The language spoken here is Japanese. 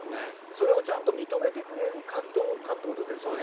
それをちゃんと認めてくれるかどうかってことですよね？